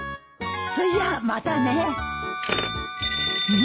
それじゃまたね。